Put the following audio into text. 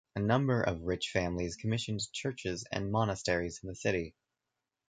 A number of rich families commissioned churches and monasteries in the city.